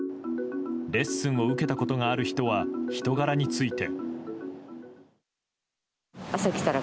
レッスンを受けたことがある人は人柄について。